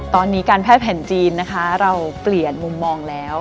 ตอนนี้การแพทย์แผ่นจีนนะคะเราเปลี่ยนมุมมองแล้ว